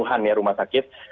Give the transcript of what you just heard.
dua puluh an ya rumah sakit